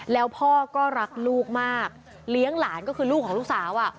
แล้วพ่อก็รักลูกมากเลี้ยงหลานก็คือลูกของลูกสาว